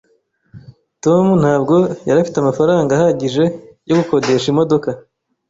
Tom ntabwo yari afite amafaranga ahagije yo gukodesha imodoka.